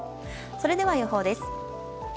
それでは、予報です。